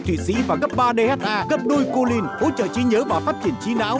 chí nhớ tốt biểu hiện bé thông minh